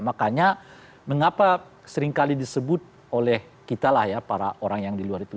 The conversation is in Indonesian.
makanya mengapa seringkali disebut oleh kita lah ya para orang yang di luar itu